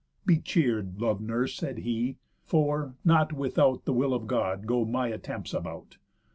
"Be cheer'd, lov'd nurse," said he, "for, not without The will of God, go my attempts about.